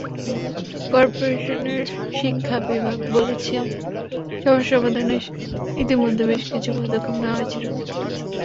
করপোরেশনের শিক্ষা বিভাগ বলছে, সমস্যার সমাধানে ইতিমধ্যে বেশ কিছু পদক্ষেপ নেওয়া হয়েছে।